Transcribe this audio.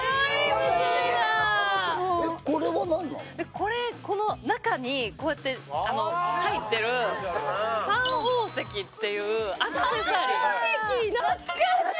これこの中にこうやってあの入ってるサン宝石っていうサン宝石！